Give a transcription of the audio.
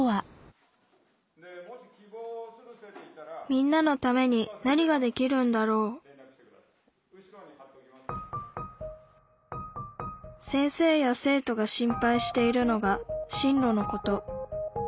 みんなのために何ができるんだろう先生や生徒が心配しているのが進路のこと。